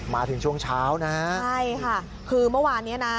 มาถึงช่วงเช้านะครับคือค่ะคือเมื่อวานนี้นะ